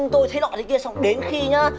tôi thấy loại thế kia xong đến khi nhá